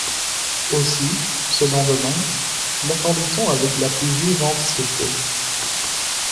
Aussi, ce lendemain, l’attendit-on avec la plus vive anxiété